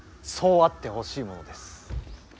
そうあってほしいものです。